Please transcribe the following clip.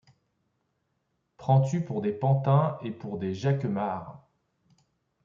Prends-tu pour des pantins et pour des jacquemards